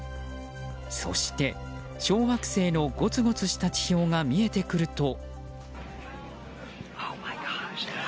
そして小惑星のごつごつした地表が見えてくると。